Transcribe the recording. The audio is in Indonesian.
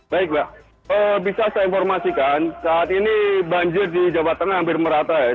baik mbak bisa saya informasikan saat ini banjir di jawa tengah hampir merata ya